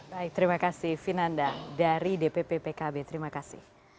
baik terima kasih vinanda dari dpp pkb terima kasih